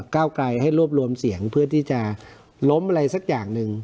ก้าวไกลให้รวบรวมเสียงเพื่อที่จะล้มอะไรสักอย่างหนึ่ง